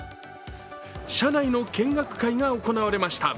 車内の見学会が行われました。